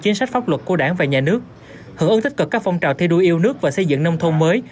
chính sách pháp luật của đảng và nhà nước hưởng ứng tích cực các phong trào thi đua yêu nước và xây dựng nông thôn mới